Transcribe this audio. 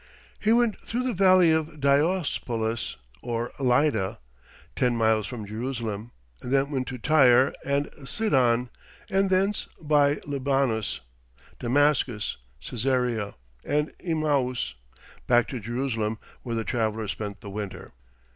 He went through the valley of Diospolis or Lydda, ten miles from Jerusalem, and then went to Tyre and Sidon, and thence, by Libanus, Damascus, Cæsarea, and Emmaus, back to Jerusalem, where the travellers spent the winter.